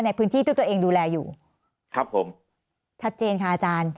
ในพื้นที่ที่ตัวเองดูแลอยู่ครับผมชัดเจนค่ะอาจารย์